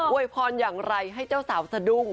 วยพรอย่างไรให้เจ้าสาวสะดุ้ง